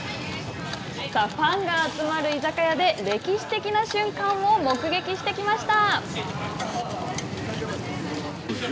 さあ、ファンが集まる居酒屋で歴史的な瞬間を目撃してきました。